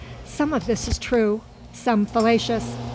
Some of this is true, some fallacious.